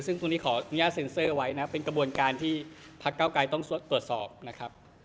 ซึ่งตรงนี้ขออนุญาตเซ็นเซอร์ไว้นะเป็นกระบวนการที่พักเก้าไกรต้องตรวจสอบนะครับ